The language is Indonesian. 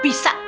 apa gitu benny